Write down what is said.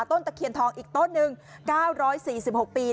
ตะเคียนทองอีกต้นหนึ่ง๙๔๖ปี